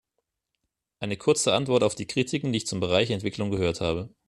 Eine kurze Antwort auf die Kritiken, die ich zum Bereich Entwicklung gehört habe.